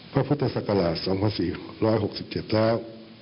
พระพุทธศักราช๒๔๖๗แล้ว